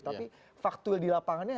tapi faktual di lapangannya